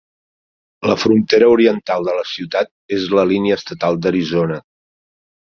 La frontera oriental de la ciutat és la línia estatal d'Arizona.